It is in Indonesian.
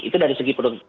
itu dari segi penuntut